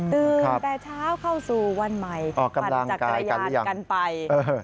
ตื่นแต่เช้าเข้าสู่วันใหม่ปั่นจักรยานกันไป